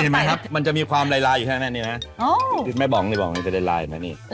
มันจะมีความลายลายอยู่ใช่ไหมแม่นี่นะโอ้แม่บ๋องเนี่ยบ๋องเนี่ยจะได้ลายมาเนี่ย